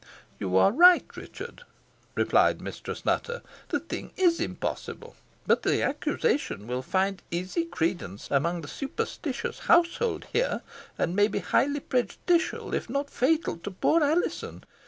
"You are right, Richard," replied Mistress Nutter; "the thing is impossible; but the accusation will find easy credence among the superstitious household here, and may be highly prejudicial, if not fatal to poor Alizon.